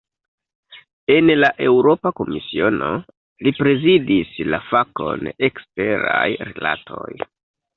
En la Eŭropa Komisiono, li prezidis la fakon "eksteraj rilatoj".